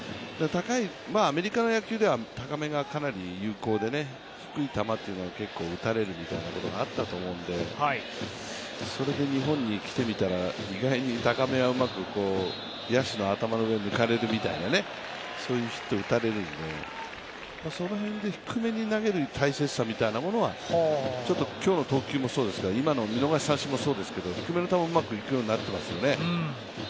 アメリカの野球では高めがかなり有効で低い球は結構打たれる見たいなことがあったと思うので、それで日本に来てみたら、意外に高めはうまく、野手の頭の上を抜かれるみたいなヒットを打たれるんで、その辺で低めに投げる大切さみたいなものは、今日の投球もそうですが、今の見逃し三振もそうですけど、低めの球がうまくいくようになっていますよね。